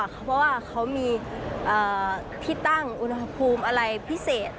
เพราะว่าเขามีที่ตั้งอุณหภูมิอะไรพิเศษ